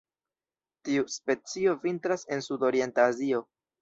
Tiu specio vintras en sudorienta Azio.